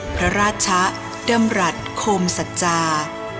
พระราชะดำรัฐโคมสัจจา